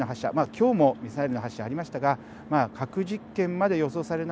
今日もミサイルの発射ありましたが核実験まで予想される